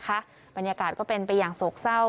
ไม่ได้นะคะบรรยากาศก็เป็นไปอย่างโศกเศร้า